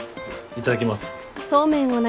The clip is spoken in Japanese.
いただきます。